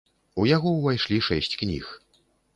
У яго ўвайшлі шэсць кніг.